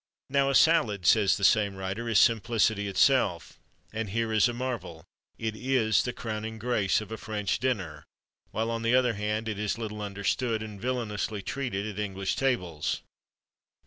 "Now a salad," says the same writer, "is simplicity itself, and here is a marvel it is the crowning grace of a French dinner, while, on the other hand, it is little understood and villainously treated at English tables."